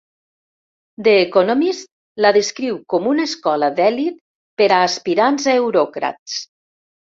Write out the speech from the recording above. "The Economist" la descriu com una "escola d"èlit per a aspirants a euròcrats.